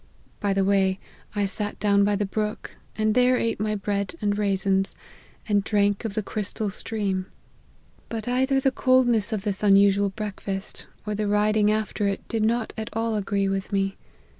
By the way, I sat down by the brook, and there ate my bread and raisins, and drank of the crystal stream ; but either the coldness of this unusual breakfast, or the riding after it, did not at all agree with me.